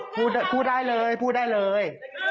พูดได้เลยพูดได้เลย